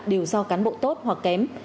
đều do cán bộ tốt hoặc kém